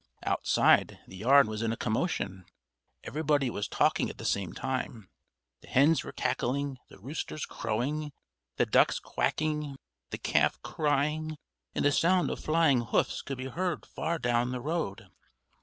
Outside, the yard was in a commotion. Everybody was talking at the same time. The hens were cackling, the roosters crowing, the ducks quacking, the calf crying, and the sound of flying hoofs could be heard far down the road.